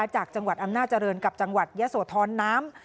จากจังหวัดอำนาจริงกับจังหวัดยะโสธรน้ำ